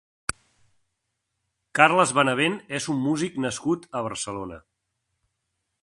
Carles Benavent és un músic nascut a Barcelona.